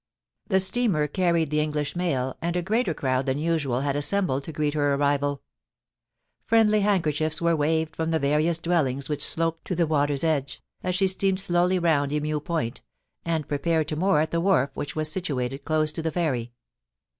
The steamer carried the English mail, and a greater crowd than usual had assembled to greet her arrival Friendly handkerchiefs were waved from the various dwellings which MR. VALLANCrS RETURN. 313 sloped to the water's edge, as she steamed slowly round Emu Point, and prepared to moot at the wharf which was situated close to the ferry.